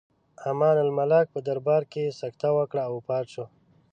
امان الملک په دربار کې سکته وکړه او وفات شو.